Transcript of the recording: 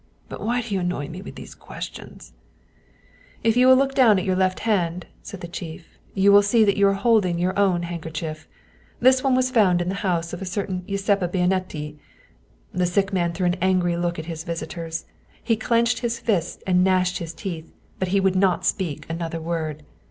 But why do you annoy me with these questions ?"" If you will look down at your left hand," said the chief, " you will see that you are holding your own handkerchief. This one was found in the house of a certain Giuseppa' Bianetti." The sick man threw an angry look at his visitors. He clenched his fists and gnashed his teeth, but he would not speak another word.